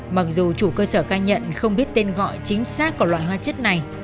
mặc dù chủ cơ sở khai nhận không biết tên gọi chính xác của loại hoa chất này